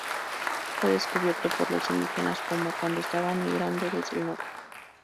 Fue descubierto por los indígenas "Pomo" cuando estaban migrando desde el norte.